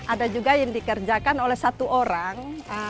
ada juga yang dikerjakan oleh satu orang